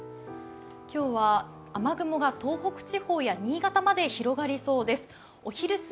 今日は雨雲が東北地方や新潟まで広がりそうです。